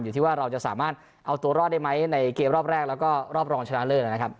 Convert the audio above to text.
อยู่ที่ว่าเราจะสามารถเอาตัวรอดได้ไหมในเกมรอบแรกแล้วก็รอบรองชนะเลิศนะครับ